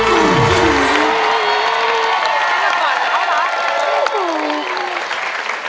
ร้องได้ร้องได้ร้องได้